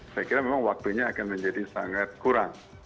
saya kira memang waktunya akan menjadi sangat kurang